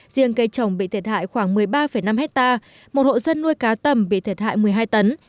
riêng cây trồng bị thiệt hại khoảng một mươi ba năm hectare một hộ dân nuôi cá tầm bị thiệt hại một mươi hai tấn